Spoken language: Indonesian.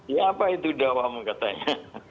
ya apa itu dewa mengatanya